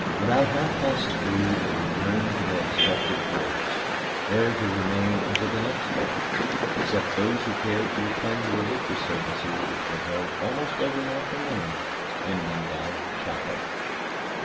About half past three they returned to their respective wards, there to remain until the next day except those who cared to attend the religious service which was held almost every afternoon in an endowed chapel.